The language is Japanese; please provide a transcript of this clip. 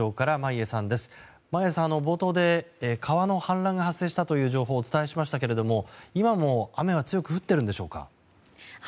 眞家さん、冒頭で川の氾濫が発生したという情報をお伝えしましたが、今も雨は強く降っているんでしょうか？